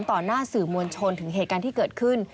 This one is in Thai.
ต่อหน้าสื่อมวลชนถึงเหตุการณ์ที่เกิดขึ้น